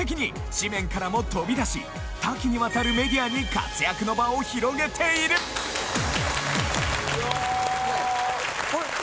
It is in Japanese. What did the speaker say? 誌面からも飛び出し多岐に渡るメディアに活躍の場を広げているいや。